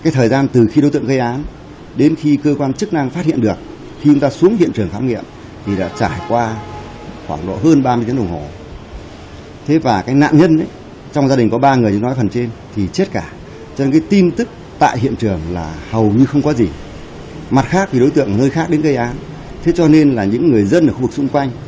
thế cho nên là những người dân ở khu vực xung quanh